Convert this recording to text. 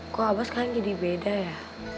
kok apa sekarang jadi beda ya